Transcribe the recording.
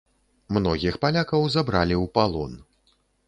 Многіх палякаў забралі ў палон.